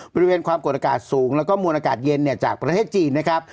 บริเวณความกดอากาศสูงแล้วก็มวลอากาศเย็นจากประเทศจีนนะครับ